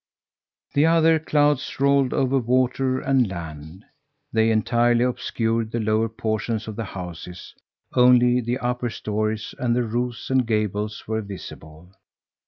The other clouds rolled over water and land. They entirely obscured the lower portions of the houses: only the upper stories and the roofs and gables were visible.